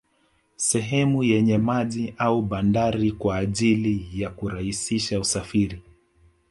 Sehemu yenye maji au bandari kwa ajili ya kurahisisha usafiri